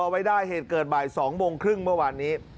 ไว้ได้เหตุเกิดบ่าย๒โมงครึ่งเมื่อวานนี้